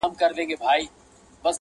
له آدمه تر دې دمه په قرنونو -